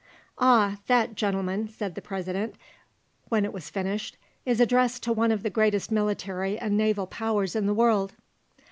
"And that, Gentlemen," said the President, when it was finished, "is addressed to one of the greatest military and naval powers in the world."